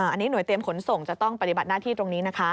อันนี้หน่วยเตรียมขนส่งจะต้องปฏิบัติหน้าที่ตรงนี้นะคะ